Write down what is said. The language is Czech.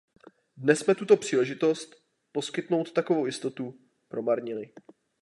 Dnes jsme tuto příležitost, poskytnout takovou jistotu, promarnili.